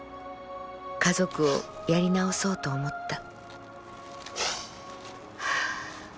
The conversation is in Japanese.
家族をやり直そうと思った」。